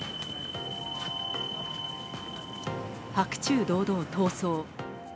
白昼堂々、逃走。